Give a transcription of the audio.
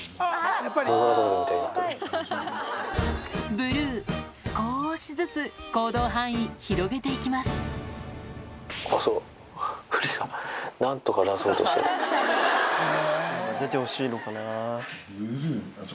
ブルー少しずつ行動範囲広げて行きます出てほしいのかな。